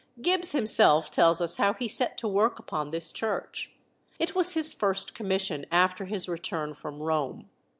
Gibbs himself tells us how he set to work upon this church. It was his first commission after his return from Rome.